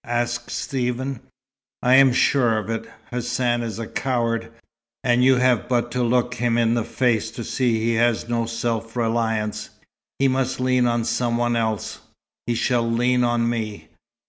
asked Stephen. "I am sure of it. Hassan is a coward, and you have but to look him in the face to see he has no self reliance. He must lean on some one else. He shall lean on me.